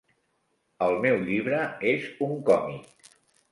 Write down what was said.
El meu llibre és un còmic.